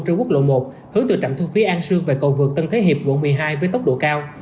trên quốc lộ một hướng từ trạm thu phí an sương về cầu vượt tân thế hiệp quận một mươi hai với tốc độ cao